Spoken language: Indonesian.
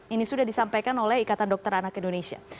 ini sudah disampaikan oleh ikatan dokter anak indonesia